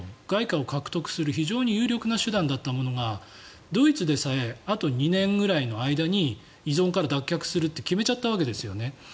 外貨を獲得する非常に有力な手段だったものがドイツでさえあと２年ぐらいの間に依存から脱却すると決めちゃったわけですよね。